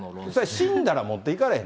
死んだら持っていかれへん。